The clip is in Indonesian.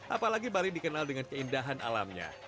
apalagi bali dikenal dengan keindahan alamnya